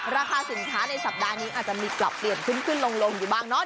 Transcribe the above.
ราคาสินค้าในสัปดาห์นี้อาจจะมีกล่าวเปลี่ยนขึ้นลงดีบ้างเนาะ